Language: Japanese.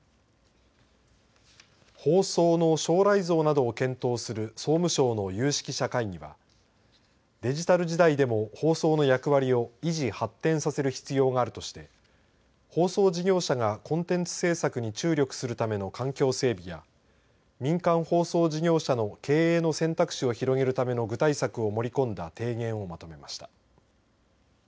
放送の将来像などを検討する総務省の有識者会議はデジタル時代でも放送の役割を維持、発展させる必要があるとして放送事業者がコンテンツ制作に注力するための環境整備や民間放送事業者の経営の選択肢を広げるための具体策を盛り込んだ提言をまとめました。